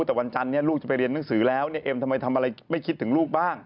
แต่วันจันทร์นี้ลูกจะไปเรียนหนังสือแล้วเนี่ยเอ็มทำไมทำอะไรไม่คิดถึงลูกบ้าง